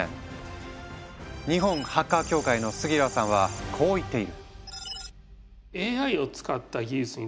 日本ハッカー協会の杉浦さんはこう言っている。